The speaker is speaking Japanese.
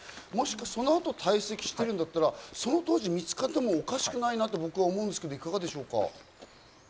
そのあと堆積しているんだったら、その当時見つかってもおかしくないなと僕は思うんですけどいかがでしょうか？